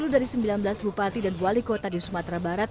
sepuluh dari sembilan belas bupati dan wali kota di sumatera barat